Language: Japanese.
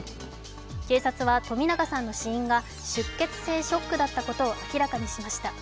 警察は冨永さんの死因が出血性ショックだったことを明らかにしました。